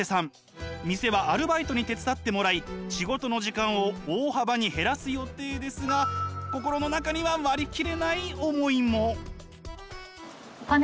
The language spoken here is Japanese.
店はアルバイトに手伝ってもらい仕事の時間を大幅に減らす予定ですが心の中にはそっか。